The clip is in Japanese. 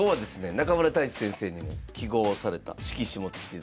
中村太地先生にも揮毫をされた色紙持ってきていただきました。